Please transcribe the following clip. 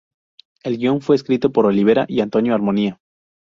El guión fue escrito por Olivera y Antonio Armonía.